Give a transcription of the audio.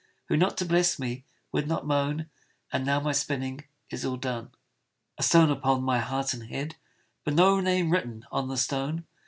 Who, not to bless me, would not moan. And now my spinning is all done. A stone upon my heart and head, But no name written on the stone!